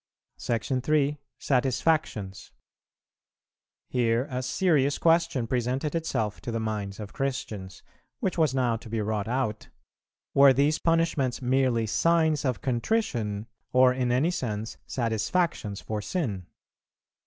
§ 3. Satisfactions. Here a serious question presented itself to the minds of Christians, which was now to be wrought out: Were these punishments merely signs of contrition, or in any sense satisfactions for sin?